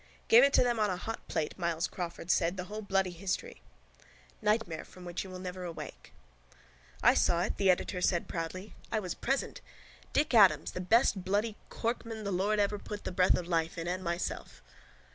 —Gave it to them on a hot plate, Myles Crawford said, the whole bloody history. Nightmare from which you will never awake. —I saw it, the editor said proudly. I was present. Dick Adams, the besthearted bloody Corkman the Lord ever put the breath of life in, and myself.